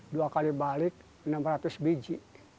dua kali balik enam ratus biji